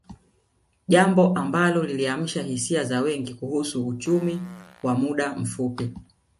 Jambo ambao liliamsha hisia za wengi kuhusu uchumi wa muda mfupi